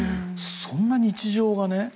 そんな日常がね